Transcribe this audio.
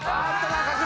中島